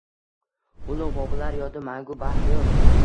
Ulug‘ bobolar yodi mangu barhayot